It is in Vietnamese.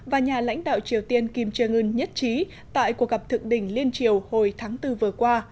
và nhà lãnh đạo triều tiên kim jong un nhất trí tại cuộc gặp thượng đỉnh liên triều hồi tháng bốn vừa qua